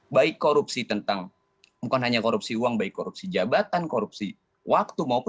baik korupsi tentang bukan hanya korupsi uang baik korupsi jabatan korupsi waktu maupun